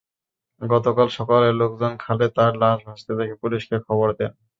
গতকাল সকালে লোকজন খালে তাঁর লাশ ভাসতে দেখে পুলিশকে খবর দেন।